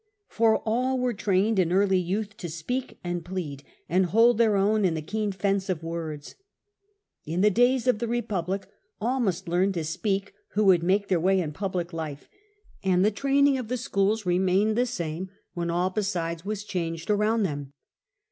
For all were trained in early youth to speak and plead and hold their own in the keen fence Early train of words. In the days of the Republic all to^*sti°r niust learn to speak who would make their common, way in public life, and the training of the schools remained the same when all besides was changed K.T>, 14 37. Tiberius. 5 ? around them.